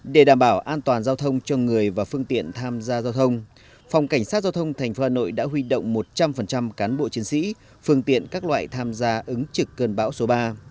để đảm bảo an toàn giao thông cho người và phương tiện tham gia giao thông phòng cảnh sát giao thông thành phố hà nội đã huy động một trăm linh cán bộ chiến sĩ phương tiện các loại tham gia ứng trực cơn bão số ba